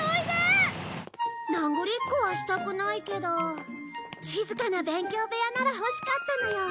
なぐりっこはしたくないけど静かな勉強部屋なら欲しかったのよ。